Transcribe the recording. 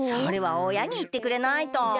それはおやにいってくれないと。